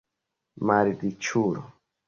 malriĉulo